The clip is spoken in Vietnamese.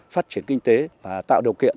phát triển kinh tế và tạo điều kiện